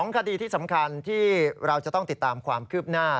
คดีที่สำคัญที่เราจะต้องติดตามความคืบหน้า